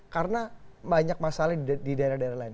karena banyak masalah di daerah daerah lain